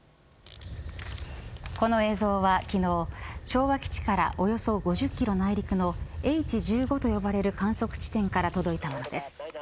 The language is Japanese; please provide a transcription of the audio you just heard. この映像は昨日昭和基地からおよそ５０キロ内陸のＨ１５と呼ばれる観測地点から届いたものです。